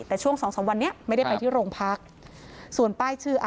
แต่ช่วงสองสามวันนี้ไม่ได้ไปที่โรงพักส่วนป้ายชื่ออ่ะ